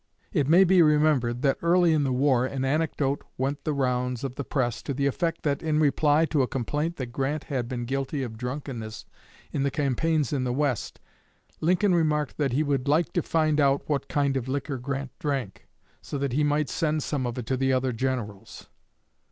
It may be remembered that early in the war an anecdote went the rounds of the press to the effect that, in reply to a complaint that Grant had been guilty of drunkenness in the campaigns in the West, Lincoln remarked that he would "like to find out what kind of liquor Grant drank," so that he might "send some of it to the other Generals."